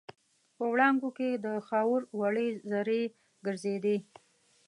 په وړانګو کې د خاوور وړې زرې ګرځېدې.